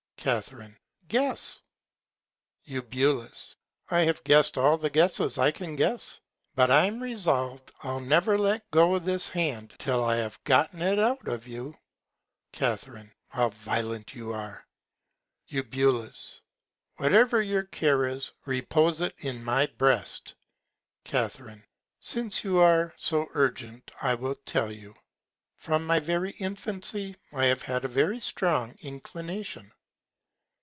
Ca. Guess. Eu. I have guess'd all the Guesses I can guess; but I'm resolv'd I'll never let go this Hand till I have gotten it out of you. Ca. How violent you are. Eu. Whatever your Care is, repose it in my Breast. Ca. Since you are so urgent, I will tell you. From my very Infancy I have had a very strong Inclination.